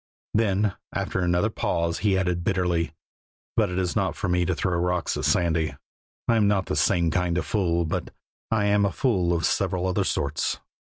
Then after another pause he added bitterly: "But it is not for me to throw rocks at Sandy. I am not the same kind of fool, but I am a fool of several other sorts."